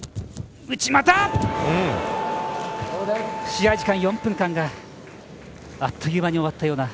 試合時間４分間があっという間に終わったような。